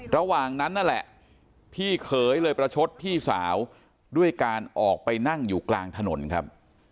ระหว่างนั้นนั่นแหละพี่เขยเลยประชดพี่สาวด้วยการออกไปนั่งอยู่กลางถนนครับ